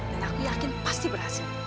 aku yakin pasti berhasil